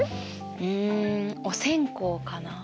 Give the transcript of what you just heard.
うんお線香かな。